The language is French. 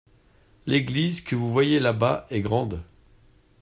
L’église que vous voyez là-bas est grande.